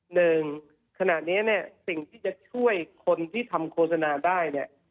หนึ่งขณะนี้เนี่ยสิ่งที่จะช่วยคนที่ทำโฆษณาได้เนี่ย